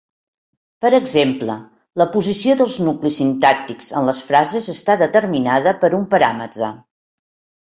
Per exemple, la posició dels nuclis sintàctics en les frases està determinada per un paràmetre.